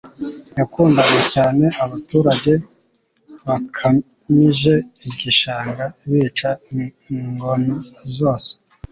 yakundaga cyane. abaturage bakamije igishanga, bica ingona zose